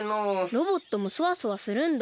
ロボットもソワソワするんだ。